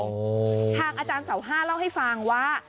ทางอาจารย์เสาห้าเล่าให้ฟังว่า